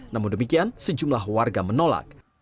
namun demikian sejumlah warga menolak